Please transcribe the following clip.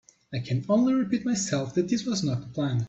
I can only repeat myself that this was not the plan.